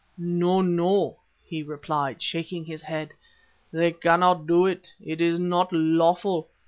"'No, no,' he replied, shaking his head. 'They cannot do it. It is not lawful.